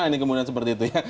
ini kemudian seperti itu ya